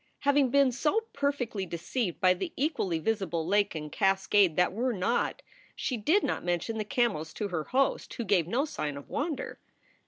Having been so perfectly deceived by the equally visible lake and cascade that were not, she did not mention the camels to her host, who gave no sign of wonder.